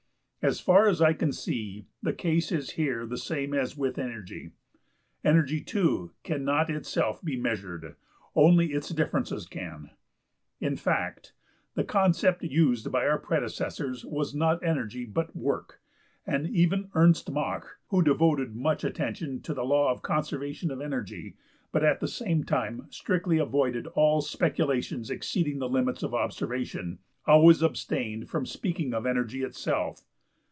As far as I can see the case is here the same as with energy. Energy, too, cannot itself be measured; only its differences can. In fact, the concept used by our predecessors was not energy but work, and even Ernst Mach, who devoted much attention to the law of conservation of energy but at the same time strictly avoided all speculations exceeding the limits of observation, always abstained from speaking of energy itself.